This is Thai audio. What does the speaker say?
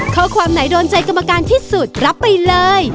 ข้อความไหนโดนใจกรรมการที่สุดรับไปเลย